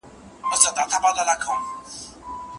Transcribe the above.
لارښود د شاګردانو ترمنځ د همکارۍ روحیه پیاوړې کوي.